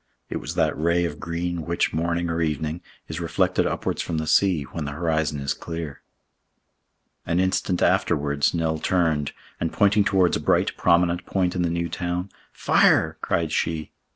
It was that ray of green which, morning or evening, is reflected upwards from the sea when the horizon is clear. An instant afterwards, Nell turned, and pointing towards a bright prominent point in the New Town, "Fire!" cried she.